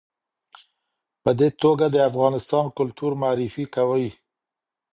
په دې توګه د افغانستان کلتور معرفي کوي.